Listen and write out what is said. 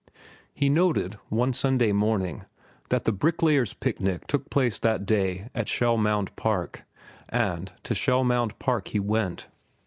He noted, one Sunday morning, that the Bricklayers' Picnic took place that day at Shell Mound Park, and to Shell Mound Park he went.